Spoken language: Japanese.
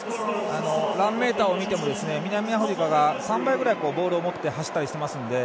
ランメーターを見ても南アフリカが３倍ぐらいボールを持って走ったりしてますので。